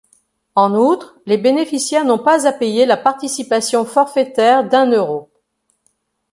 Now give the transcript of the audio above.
En outre, les bénéficiaires n'ont pas à payer la participation forfaitaire d’un euro.